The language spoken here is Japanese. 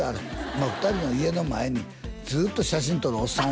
今二人の家の前にずっと写真撮るおっさん